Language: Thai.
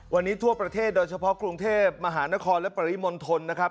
วันนี้ทั่วประเทศโดยเฉพาะกรุงเทพมหานครและปริมณฑลนะครับ